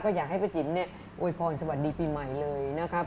ก็อยากให้พระจิตโอยพรสวัสดีปีใหม่เลยนะครับ